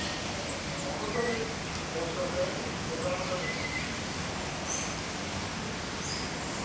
誠に申し訳ございませんでした。